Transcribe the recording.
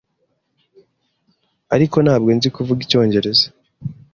Ariko, ntabwo nzi kuvuga icyongereza.